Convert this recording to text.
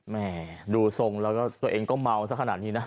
แหมดูทรงแล้วเองก็เมาสักขนาดนี้